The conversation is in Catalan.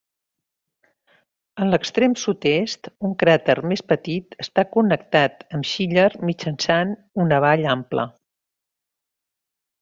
En l'extrem sud-est, un cràter més petit està connectat amb Schiller mitjançant una vall ampla.